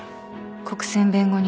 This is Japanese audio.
国選弁護人